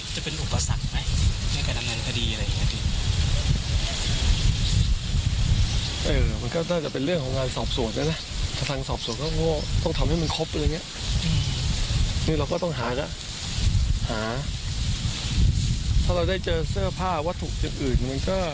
จะมีประโยชน์อะไรอย่างนี้นะ